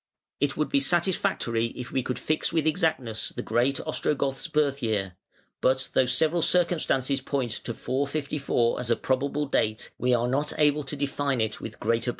] It would be satisfactory if we could fix with exactness the great Ostrogoth's birth year, but though several circumstances point to 454 as a probable date, we are not able to define it with greater precision.